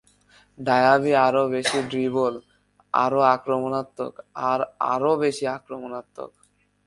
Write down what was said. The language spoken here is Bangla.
ডায়াবি আরো বেশী ড্রিবল, আরো আক্রমণাত্মক আর আরো বেশি আক্রমনাত্মক।